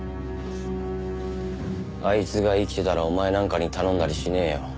あいつが生きてたらお前なんかに頼んだりしねえよ。